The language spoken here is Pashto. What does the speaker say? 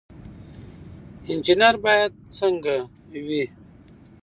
انجنیر باید څنګه وي؟